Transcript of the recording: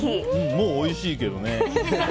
もうおいしいけどね。